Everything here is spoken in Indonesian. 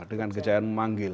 bukan kejayaan memanggil